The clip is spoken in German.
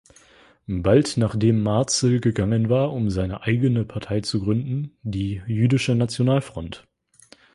Bald nachdem Marzel gegangen war, um seine eigene Partei zu gründen, die Jüdische Nationalfront.